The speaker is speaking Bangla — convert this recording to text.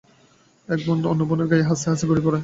এক বোন অন্য বোনের গায়ে হাসতে-হাসতে গড়িয়ে পড়ে।